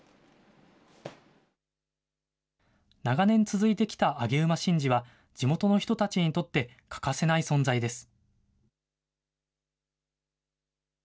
長年続いてきた上げ馬神事は、地元の人たちにとって欠かせない存在です。